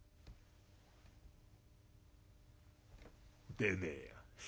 「出ねえよ。